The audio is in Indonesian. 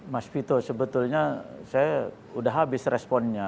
mas vito sebetulnya saya sudah habis responnya